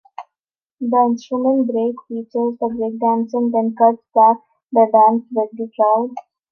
The instrumental break features breakdancing then cuts back to the dance with the crowd.